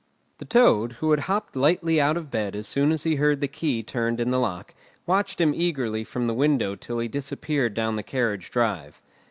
The Toad, who had hopped lightly out of bed as soon as he heard the key turned in the lock, watched him eagerly from the window till he disappeared down the carriage drive.